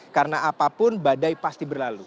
karena apapun badai pasti berlalu